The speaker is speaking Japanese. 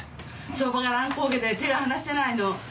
相場が乱高下で手が離せないの！